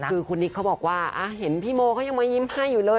คือคุณนิกเขาบอกว่าเห็นพี่โมเขายังมายิ้มให้อยู่เลย